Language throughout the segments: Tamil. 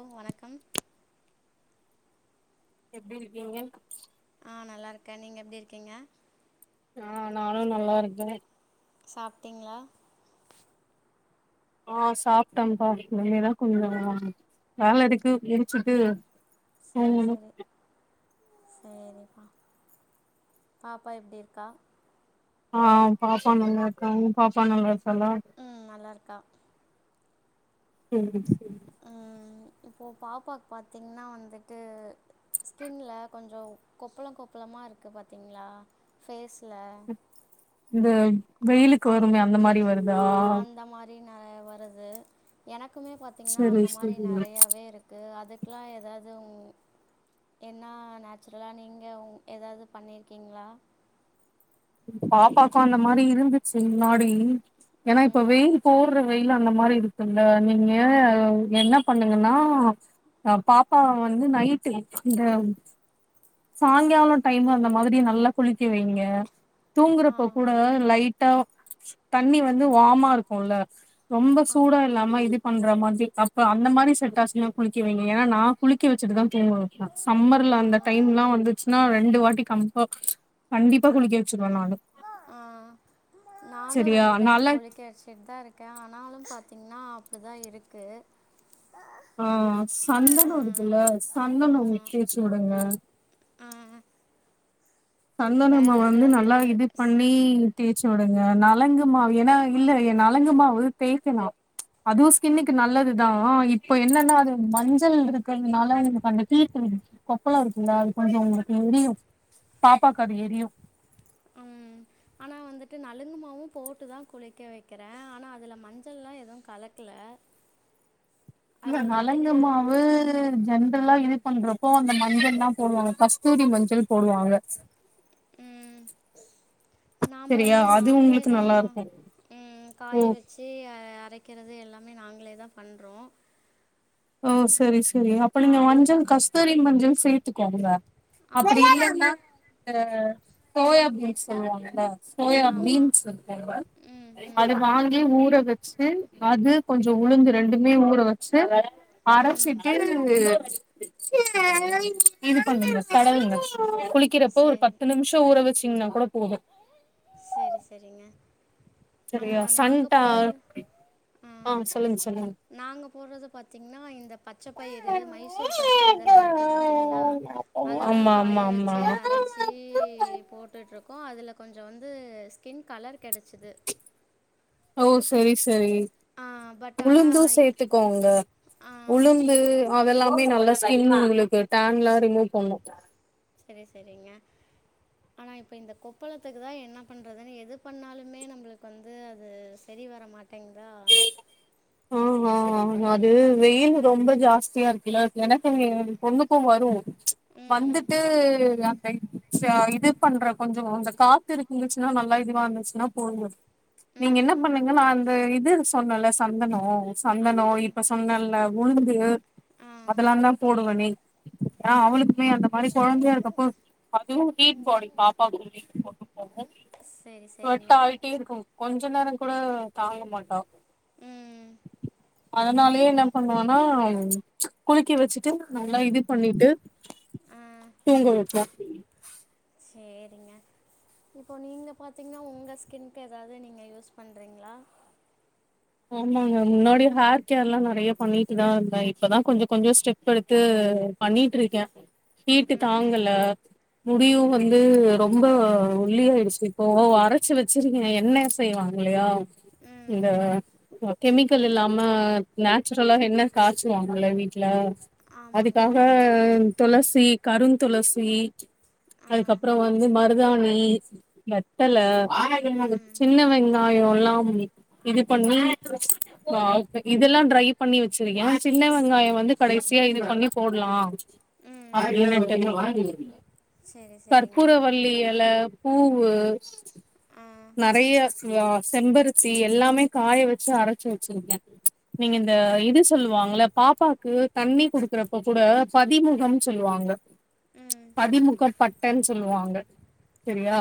ஓ வணக்கம் எப்படி இருக்கீங்க ஆ நல்லா இருக்கன் நீங்க எப்டி இருக்கீங்க ஆ நானு நல்லா இருக்கேன் சாப்ட்டிங்ளா ஆ சாப்ட்டம்ப்பா இனிமேதா கொஞ்ச வேல இருக்கு முடிச்சுட்டு சரி தூங்கணு சரி சேரிப்பா பாப்பா எப்படி இருக்கா ஆ பாப்பா நல்லா இருக்கா ம் பாப்பா நல்லா இருக்கா ம் நல்லா இருக்கா ம் ஹம் இப்போ பாப்பாக்கு பாத்தீங்கன்னா வந்துட்டு ஸ்கின்ல கொஞ்சோ கொப்பளம் கொப்பளமா இருக்கு பாத்தீங்களா ஃபேஸ்ல இந்த வெயிலுக்கு வருமே அந்த மாரி வருதா ஆஹ் வருது எனக் குமே பாத்தீங்கன்னா சரி அந்த மாரி சரி நெறையாவே இருக்கு அ துக்கெலாம் எதாவது உம் என்ன நேச்சுரலாக நீங்க உங் ஏதாவது பண்ணியிருக்கீங்களா பாப்பாக்கும் அந்த மாரி இருந்துச்சு முன்னாடி ஏன்னா ம் இப்ப வெயில் போடுற வெயில் அந்த மாரி இருக் குல நீங்க ஆமா உ என்ன பண்ணுங்கன்னா ஹ பாப்பா வந்து நைட்டு இந்த சாய்ங்காலம் டைம் அந்த மாதிரி நல்லா குளிக்க வைங்க ஆ தூங்குரப்பா கூட லைட் டா தண்ணி வந்து வாமா இருக்கும்ல ரொம்ப சூடா ஆமா இல்லாம இது பண் ணுற மாதிரி அப்ப அந்த மாரி செட்டாஸ்லாம் குளிக்க வைங்க ஏன்னா நான் குளிக்க வச்சுட்டுதான் தூங்க வப்பேன் சம்மருல ஆ அந்த லா வந்துச்சுன்னா ரெண்டு வாட்டி கம்ப கண்டிப்பா குளிக்க வச்சு ஆஹ் நானு சரியா ரெண்டு டைம் நல்லா குளிக்க வச்சுட்டு தான் இருக்கேன் ஆனாலும் பாத்தீங்கன்னா அப்டி தான் இருக்கு ஆஹ் ஆ, சந்தனு இருக்குல்ல சந்தனம் தேச்சு விடுங்க ஆஹ் சந்தனம்ம வந்து நல்லா இது ஸ்- பண்ணி தேய்ச்சு விடுங்க நலங்கு மாவு ஏன்னா இல்ல ஏ நலங்கு மாவு தேய்க்கலாம் அதுவும் ஸ்கின்னுக்கு நல்லதுதான் இப்போ என்னன்னா அது மஞ்சள் இருக்கிறதுனால [unintelligible] அந்த கீட்டு இரு கொப்பளம் இருக்குல்ல அது கொஞ்சோ உங்களுக்கு எரியும் பாப்பாக்கு அது எரியு உம் ஆனா வந்துட்டு நலங்குமாவும் போட்டுதான் குளிக்க வைக்கிறேன் ஆனா அதுல மஞ்சள்லா எதுவும் கலக்கல இல்ல அதுல நளங்க பார்த்தீங்கன்னா மாவு ஜென்ரலா இது பண்றப்போ அந்த மஞ்சள் லாம் போடுவாங்க கஸ்தூரி மஞ்சள் போடுவாங்க ம் நாம்ப செரியா வந்து அது நாங்களே உங்களுக்கு தா நல்லா இருக்கு ம் ஓ காய வச்சு அ ரக்கிறது எல்லாமே நாங்களே தா பண்றோ ஓ செரி ஸ் ஏ அப்ப நீங்க இந் மஞ்சள் கஸ்தூரி மஞ்சள் சேத்துக்கோங்க ஆ அப்டி அதுவும் போ இல்லன்னா வேற சோயா பீன்ஸ் சொல்லுவாங்கல சோயா ஆமா பீன்ஸ் இருக்குங்க ம் அத ம் வாங்கி ஊற வச் ச்சு அது கொஞ்சோ உளுந்து ரெண்டுமே ஊற வச்சு ம் அரச்சிட்டு இது இது பண்ணுங்க தடவுங்க குளிக்கிறப்போ ஒரு சரி பத்து நிமிஷோ ஊற வச் ங்னா கூட போதூ செரி செரிங்க ஆ சரியா நாங்க சன்டா போட்றது ஆ சொல்லுங்க சொல்லுங்க நாங்க போட்றது பாத்தீங்னா இந்த பச்சப்பயறு மைசூர் பருப்பு இதெல்லா இருக்கு பாத்தீங்ளா அதுதா ஆமா ஆமா காய ஆமா வெச்சு அரச்சு போட்டுட்ருக் கோ அதுல கொஞ் ஞ்சோ வந்து ஸ்கின் கலர் கெடச்சுது அவுஸ் செரி செரி பட் ஆனா உளுந்தூ சேத்துக்கோங்க ஆ உளுந்து அவெ எல்லாமே நல்ல ஸ்கின் உங்ளுக்கு டேன்லா ரிமூவ் பண்ணூ செரி செரிங்க ஆனா இப்ப இந்த கொப்பளத்துக்கு தா என்ன பண்றதுன்னு எது பண்ணாலுமே நம்ளுக்கு வந்து அது செரி வர மாட்டேங் ஆ ஹா ஹா அது ம் வெயிலு ரொம்ப ஜாஸ்தியாருக் கில எனக்குமே ஏ பொண்ணுக்கூ வரூ ம்ச் ம் வந்துட்டு யா [unintelligible] இது பண்றே கொஞ்சோ அந்த காத்து இருக்குந்துச்சுன்னா நல்லா இதுவா இருந்துச்சுன்னா போதூ நீங்க என்ன ம் பண்ணுங்க நா அந்த இது ஒன்னுல்ல சந்தனோ சந்தனோ ஆமாங்க இப்ப சொன்ன இல்ல உளுந்து ஆ அதெல்லாந்தா போடுவேனே ஆ அவளுக்மே அந்தப் மாரி கொழந்தையா இருக்கப்போ சரி சரிங்க ஸ்வட்டாயிட்டேர்க்கூ கொழந் ஞ்சோ நேரங் கூட தாங்க மாட்டா ம் அதனாலயே என்ன பண்ணுவோனா குளிக்க வச்சுட்டு நல்லா இது பண்ணிட்டு ஆ தூங்க வெப்போ சேரிங்க இப்போ நீங்க பாத்தீங்னா உங்க ஸ்கின்கு எதாவ்து நீங்க யூஸ் பண்றீங்ளா ஆமாங்க முன்னாடி ஹேர் கேர்லா நெறைய பண்ணிட்டுதா இருந்தே இப்பதா கொஞ்சோ கொஞ்சோ ஸ்டெப் எடுத்து பண்ணிட்ருக்கே ஹீட்டு ம் தாங்கல முடியூ அதான் வந்து ரொம்ப ஒல்லியாய்டுச்சு இப்போ அரச்சு வெச்சிருக்கே எண்ணே செய்வாங்கல்லையா இந்த ம் கெமிக்கல் இல்லாம நேச்சுரலா எண்ண காச்சுவாங்கலயா வீட்ல ஆமாங்க அதுக்காக துளசி கருங் துளசி ஆ அதுக்கப்றோ வந்து மருதாணி வெத்தலே ம் சின்ன வெங்கி ஆயோல்லாம் இதுப் பண்ணி இதெல்லா ட்ரை பண்ணி வெச்சிருக்கே சின்ன வெங்காயோ வந்து கடைசியா இது பண்ண போட்லா ம் அப்டினு விட்டேங்க சரி சரிங்க கர்ப்பூரவள்ளி எல பூவு ஆ நெறைய ஸ்வா செம்பருத்தி எல்லாமே காய வெச்சு அரச்சு வெச்சுருக்கெ நீங்க இந்த சரி இது சொல்லுவாங்க்ள பாப்பாக்கூ தண்ணி குடுக்குறப்ப கூட பதிமுகம் சொல்லுவாங்க ம் பதிமுகப் பட் டென் சொல்லுவாங்க செரியா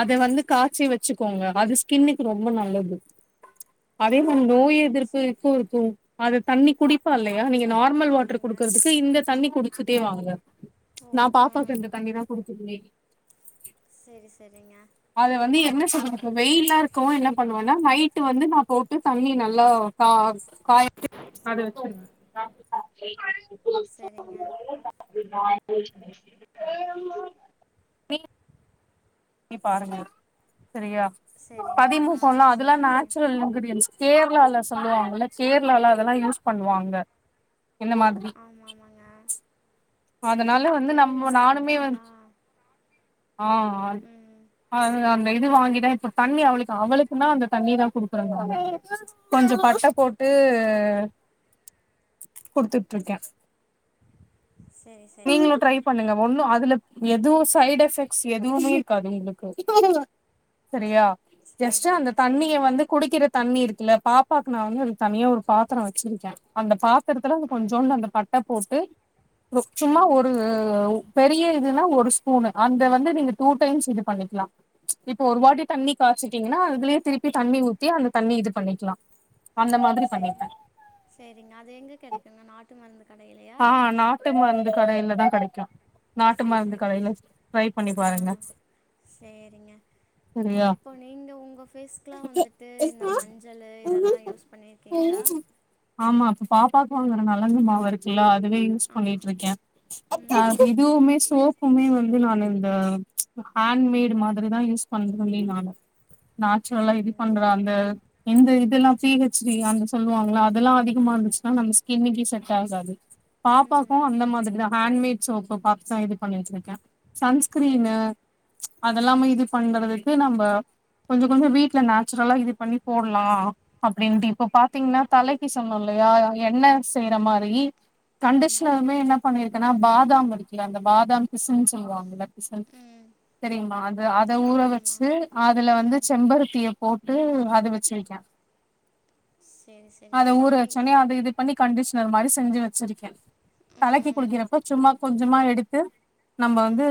ஆ அத வந்து காச்சி வெ சுக்கோங்க அது ஸ்கின்னுக்கு ரொம்ப நல்லது அதே அது நம் நோய் காய்ச்சி வச்சு எதிர்ப்புக்கூ இருக்குங் அத தண்ணி குடிப்பால்லே எனா நீங்க நார்மல் வாட்ரு ஆமாங்க குடுக்கற்துக்கு இந்த தண்ணி குடுக் சுத்தி வாங்க ஓ நா ஆ பாப்பாக்கு அந்த தண்ணி தா குடுக்குனுமே சரி சரிங்க அது வந்து என்ன சொல்றது இப்பொ வெயில்லாருக்கோ என்ன பண்ணுவான் னா நை ட்டு வந்து நா போட்டு தண்ணி நல்லா கா காய அது வெச்சுருவே சரிங்க நீ நி பாருங்க சரியா சரிங்க ஆ பதிமூக்கம்ல்லா அதுலா சரிங்க நேச்சுரல் இங்க்ரீடியன்ஸ் கேர்ளா தா சொல்லுவாங்கள்ள கேர்ளால அதலா யூஸ் பண்ணுவாங்க இந்த மாதிரி ஆமா ஆமாங்க அதனால வந்து நம்மொ நானுமே கேள்விப்பட்டிருக்கேன் வந் ஆனா ஆ ஆன் ம் அ நா அந்த இது வாங்கிதா இப்பொ தண்ணி அவளுக்கு அவளுக்கு நா அந்த தண்ணி தா குடுக்குற நானு கொஞ்சோ பட்ட போட் சரி குட்த்துட்ருக்கே சரி சரிங்க நீங்குளோ ட்ரை பண்ணுங்க ஒண்ணோ அத் அதுலப் எதுவோ சைடு எஃபெக்ட்ஸ் எதுவூமே இருக்காது உங்குளுக்கு சரியா ஜஸ்ட் அந்த சரிங்க தண்ணிய சரிங்க வந்து குடிக்கிற தண்ணி இருக் இல்ல பாப்பாக்கு நா வந்து அது தனியா ஒரு பாத்தறோ வெச்சிருக்கே அந்த பாத் பாத்தறத்துல ம் கொஞ்சோன்னு அந்த பட்ட போட்டு ரு சும்மா ம் ஒரூ பெரீய இல்லனா ஒரு ஸ்பூனு அந்த வந்து நீங்க டூடைம்ஸ் இது பனிக்கிளா இப்பொ ஒரு வாட்டி தண்ணி காச்சிடீங்னா இதுலெயெ திருப்பி தண்ணி ஊத்தி அந்த தண்ணி இதுப் பண்ணிக்கிலா செரிங்க சேரிங்க அது எங்கெ கிடைக்குங்க நாட்டு மர்ந்து கடயுலயா அந்த கடைலதா செரி செரிங்க ட்ரை பண்ணி ஆ பாருங்க சேரிங்க சரியா இப்போ நீங்க உங்க பேஸ்குலா வந்துட்டு இந்த மஞ்சளு இதெல்லா யூஸ் பண்ணிருக்கீங்களா ஆமா இப்ப பாப்பாக்கு வாங்குற நலங்கு மாவு இருக்குல்ல அதுவே ஆமா. பண்ணிட்டு இருக்க ம். அது இதுவுமே சோப் புமே வந்து நானு இந்த ஹேண்மேட் மாதிரிதா யூஸ் பண்றனே நானோ நாச்சுரல்லா இது சரி. பண்ற அந்த எந்த இதுலா பீ ஹச் டி அந்த சொல்லுவாங்கல்ல அது இதெல்லா அதிகமா ஆமா. இருந்துச்சுனா நம்ம ஸ்கின் டிஸ்ஸீஸ் செட்டாகாது பாப் பாப்பாக்கோ ம். அந்த மாதிரிதா ஹேண்மேட் சோப்பு பாப்ஸா இது பண்ணி வெச்சிருக்க சன்ஸ்கிரீனு சரி. ம். அதெல்லாம இது பண்றது பி நம்ப கொஞ்சோ கொஞ்சோ வீட்ல நேச்சுரலா இது பண்ணி போடலா அப்படின்ட்டு இப்ப பாத்தீங்னா தலைக்கு சொன்னோ இல்லையா எண்ண செய்ற மாரி கண்டிஷ் ஆமாங்க. என்ன பண்ணிருக்கன்னா பாதாம் இருக்குல அந்த பாதாம் பிசின் சொல்லுவாங்கல சரி ம். தெரியுமா அத அத ஊற ஆமாமா. வெச்சு அதுல வந்து ம். செம்பருத்திய போட் டு அத வெச்சிருக்க சரி, அத சரிங்க. ஊர நான் இ- வெச்சோனே அது இது பண்ணி கண்டிஷ்னர் மாரி செஞ்சி வெச்சிருக்கே தலக்கி ம். குளிக்கிறப்போ சும்மா கொஞ்சமா எடுத்து நம்ப ஆ. வந்து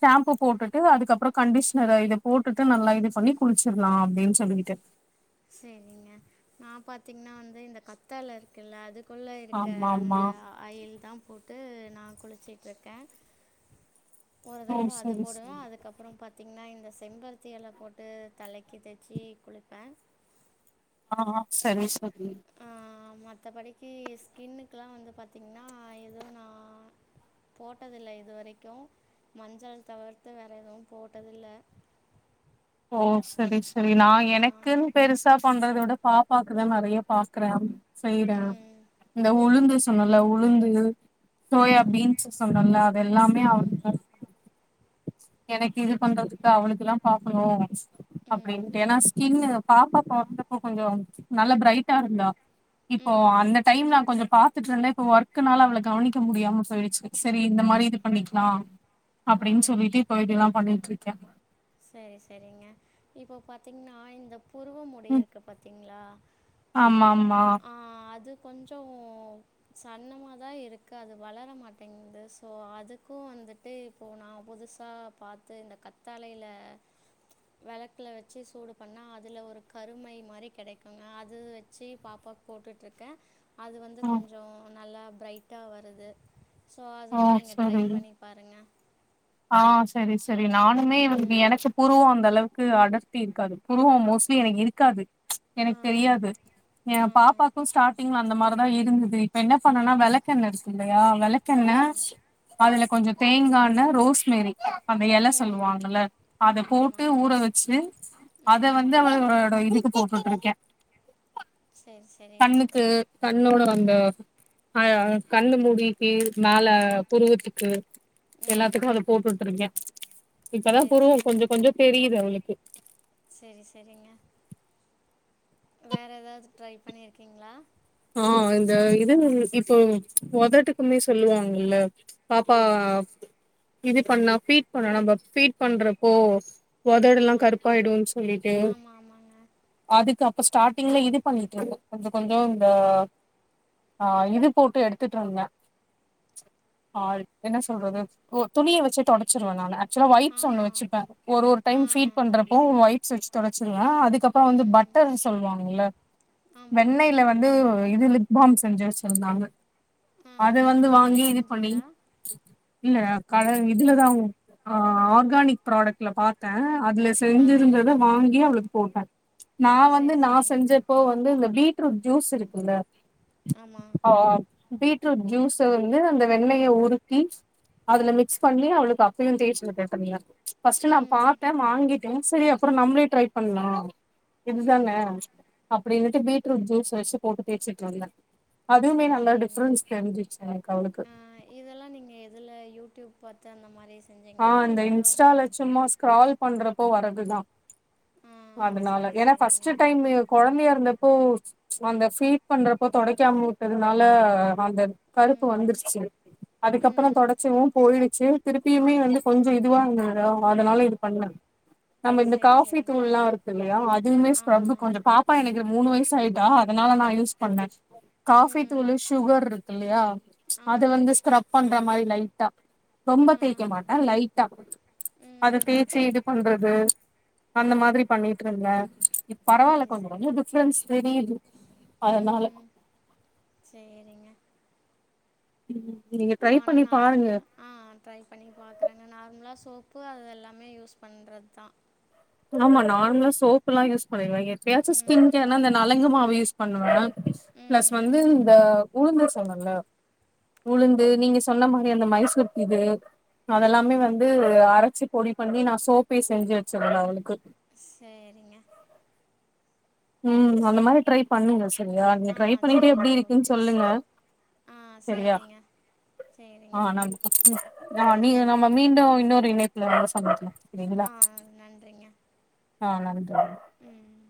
ஸேம்பு போட்டுட்டு அதுக்கப்புறோ கண்டிஷ்னர இத போட்டுட்டு நல்லா இது பண்ணி குளிச்சிடலா அப்டின்னு சொல்லிட்டு செரிங்க நா பாத்தீங்கன்னா வந்து இந்த கத்தால இருக்குல்ல அது குள்ள இருக்க ஆமா ஆமா அந்த ஆயில் தா போட் டு நா குளிச்சிட்ருக்க ஒரு ஓ தடவ அது சரி போடுவ சரி அதுக்கப்புறோ பாத்தீங்கன்னா இந்த செம்பருத்தி எல போட்டு தலைக்கு தேச்சி குளிப்ப ஆ ஆ சரி ச பப்பி மத்தபடிக்கி ஸ்கின்னுக்குலா வந்து பாத்தீ நா போட்டதில்ல இதுவரைக்கும் மஞ்சள் தவிர்த்து வேற எதுவும் போட்டதில்ல ஓஸ் சரி சரி நான் எனக்குன் பெருசா பண்றத விட பாப்பாக்குதா நறையா பாக்கறே சைடா ம் இந்த உளுந்து ஸ் சொன்னல்ல உளுந்து சோயா ஆமாங்க பீன்ஸ் சொன்னல்ல அது எல்லாமே ம் அவனுக்கு எனக்கு இது பண்றதுக்கு தா அவளுக்குலாம் பாப் [unintelligible] ம் அப்டின்டு ஏன்னா ஸ்கின்னு பாப்பாப் பொறந்தப்போ கொஞ்சோ நல்லா ப்ரைட்டாருந்தா இப்போ ம் அந்த டைம் நா கொஞ்சம் பா த்துட்ருந்த இப்ப வர்க்குனால அவள கவனிக்க முடியாம போயிடுச்சு செரி இந்த மாரி இது பண்ணிக்லா ஆ அப்டின் சொல்லிட்டு இப்போ இதொல்லாம் பண்ணின் ட்ருக்கியா சேரி சேரிங்க இப்போ பாத்தீங்ன்னா இந்த புருவ முடி ம் இருக்கு பாத்தீங்ளா, ஆமா ஆமா ஆ அது கொஞ்சோ சன்னமா தா இருக்கு அது வளர மாட்டேங்து ஸோ அதுக்கூ வந்துட்டு இப்போ நா புதுசா பாத்து இந்த கத்தாலைல அ வெளக்ல வெச்சு சூடு பண்ணா அதுல ஒரு கருமை மாரி கெடைக்குங்க அது வெச்சி பாப்பா போட்டுட்ருக்க அது வந்து ஓ கொஞ்சோ நல்லா ப்ரைட்டா வருது ஸோ அதுவு நீங்க ட்ரை பண்ணி பாருங்க. ஆ‌ செரி செ டி நானுமே வ் ம் எனக்கு புருவோ அந்த அளவு க்கு அடர்த்தி இருக்காது புருவோ மோஸ்லி எனக் இருக்காது ஆ எனக் தெரியாது எ ஆ பாப்பாக்கூ ஸ்டார்டிங்ல அந்த மாரிதா இருந்துது இப்ப என்ன பண்ணனா வெளகென்ன இருக்குல்ல யா வெளக்கெண்ண ஆமாம் அதல கொஞ்சோ தேங்காண்ண ரோ ஸ்மேரி அந்த எல ம் சொல்லுவாங்கல்ல அத ஆமாம்மா போட்டு ஊற வெச்சு அத ம் வந்து அவளோட இதுக்கு போ போட்ருக்கே. சரி சரி கண்ணுக்கு கண்ணோட வந்த ம் ஆ கண்ணு முடிக்கி மேல புருவத்துக்கு. ம் எல்லாத்துக்கு ம் அதப் [unintelligible] இப்பதா சரி புருவோ கொஞ்சோ கொஞ்சோ தெரியுது அவளுக்கு க் செரி செரிங்க வேற ஏதாது ட்ரை பண்ணிரிக்கிங்ளா ஆ இந்த இது இப்போ ஒதட்டுக்குமே சொல்லுவாங்கல்ல பாப்பா இது பண்ணா பீட் பண்ண நம்ம பீட் பண்றப்போ ஒதடு லா ஆமாம் கருப்பாய்டு சொல்லிட்டு ஆமாம் ஆமாங்க அதுக்க ப்ப ஸ்டாட்டிங்ல இது பண்ணிட்ருக்கோ கொஞ்சோ கொஞ்சோ இது போட்டு எடுத்துட்ருந்த ஆ என்ன சொல்றது துணிய வெச்சி தொடச்சிருவ நானு வைப்ஸ் ஒன்னு ஆமாம் வெச்சுப்ப ஒரு ஒரு ஆ டைம் பீட் பண்றப்போ வப்ஸ் தொடச்சிருவே அதுக்கு அப்பறோ ம் பட்டர்னு சொல்லுவாங்களா ஆமாம் வெண்ணைல இதுல லிப் பாம் செஞ்சு வட்சுருந்தாங்க அதது ஆஹா வந்து நீங்களே வாங்கி இது பண்ணி செஞ்சீங்களா இல்ல க இதுலதான் ஆர்கானிக் ப்ராடக்ட்ல பார்த்தேன் அதுல ஆ செஞ்சிருந்தத வாங்கி அவளுக் போட்டே நான் வந்து சரி நான் சரிங்க செஞ்சப்போ வந்து இந்த பீட் [unintelligible] ஜூஸ் இருக்குல்ல ஆமா ஆ பீட்ரூட் ஜூஸ் வந்து அந்த வெண்ணெய உருக்கி அதுல மிக்ஸ் பண்ணி அவளுக்கு அப்பயும் தேச்சுவுட்டுருந்தே ஃபர்ஸ்ட் நான் ம் பார்த்தேன் வாங்கிட்டேன் சரி அப்பறோ நம்மளே ட்ரை பண்ணலாம் ம் இதுதானே அப்படின்னுட்டு பீட்ரூட் ஜூஸ் சு போட்டுத்தச்சுட்டுந்து செரி செரிங்க எனக்கு அவளுக்கு ஆஹ் இதெல்லாம் நீங்க எதுல யூடியூப் பார்த்த அந்த மாரி ஆஹ் அந்த இன்ஸ்டால சும்மா ஸ்க்ரால் பண்றப்போ வரதுதான் ஆ அதனால சரி ஏன்னா சரிங்க ஃபர்ஸ்ட் டைம் கொழந்தையா இருந்த இப்போ அந்த ஃபீட் பண்றப்போ தொடடைக்காம விட்டதுனால அந்த கருப்பு ம் வந்துருச்சு அதுக்கப்பறோ ம் தொடச்சவும் போய ச திருப்பியுமே வந்து கொஞ்சோ இதுவா இருந்ததுட அதனால இது பண்ணே நம்ம இந்த சரி காஃபி சரிங்க துள்லாம் இருக்கு இல்லையா அதுமே ஆமாம் கொஞ்சோ பாப்பா [unintelligible] மூணு வயசு ஆயிட்டா அதனால நான் யூஸ் பண்ணே காபி ம் உள்ள சுகர் இருக்கு இல்லையா அது ஆமாம் வந்து ஸ்க்ரப் பண்ற மாரி லைட்டா ரொம்ப ஆ தேய்க மாட்டா லைட்ட ஆது அத ம் தேய்சச்சு இது பண்றது அந்த மாதிரி பண்ணிட்டு இருந்த இ பரவாயில்ல சரி கொஞ்சோ சரிங்க கொஞ்சோ டிஃப்ரென்ஸ் தெரியுது அதனால ம் சரிங்க உம் போனா நார்மலா ஆஹ் ட்ரை பண்ணி பாக்குறேங்க நார்மலா சோ அப்பு அது எல்லாமே யூஸ் பண்றது தா ஆமா நார்மலா சோப்பு எல்லா யூஸ் பண்நிருவ எப்பாச்சு ஸ்கின் ம் கேர்னா அந்த நலங்கு மாவு யூஸ் பண்ணுவ பிளஸ் ம் வந்து இந்த உளுந்து சொன்னல உளுந்து நீங்க சொன்ன மாரி அந்த மைசூக்கு இது அதெல்லாமே ம் வந்து அரைச்சு பொடி பண்ணி நா சோப்பே செஞ்சு வச்சிருந்த அவளுக் சரிங்க உம் அந்த மாரி ட்ரை பண்ணுங்க நீங்க ஆ ட்ரை பண்ணிட்டு சரி எப்படி இருக்குனு ஓகேங்க சொல்லுங்க, ஆ சரியா சரிங்க சரிங்க நா நி நன்றிங்க நாம மீண்டு இன்னொரு [unintelligible] செரியீங்களா ஆ நன்றிங்க ஆஹ் நன் றி ம்